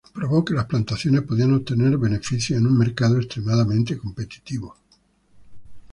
Probó que las plantaciones podían obtener beneficios en un mercado extremadamente competitivo.